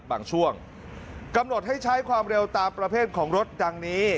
บางช่วงกำหนดให้ใช้ความเร็วตามประเภทของรถดังนี้